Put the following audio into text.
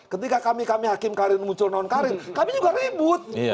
ketika kami kami hakim karir muncul non karir kami juga ribut